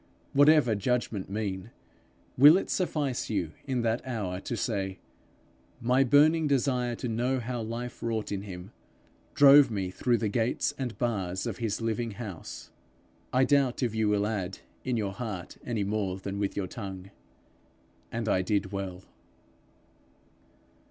Whatever judgment mean, will it suffice you in that hour to say, 'My burning desire to know how life wrought in him, drove me through the gates and bars of his living house'? I doubt if you will add, in your heart any more than with your tongue, 'and I did well.'